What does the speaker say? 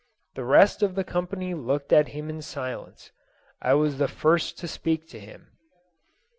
The rest of the company looked at him in silence. I was the first to speak to him.